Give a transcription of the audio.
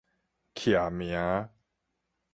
徛名